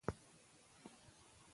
دښمن ته ماته ورغله.